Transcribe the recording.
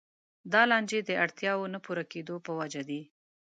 دا لانجې د اړتیاوو نه پوره کېدو په وجه دي.